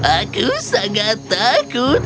aku sangat takut